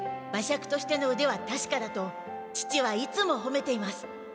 馬借としてのうではたしかだと父はいつもほめています。